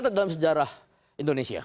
dicatat dalam sejarah indonesia